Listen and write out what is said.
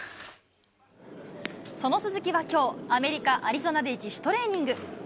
その鈴木はきょう、アメリカ・アリゾナで自主トレーニング。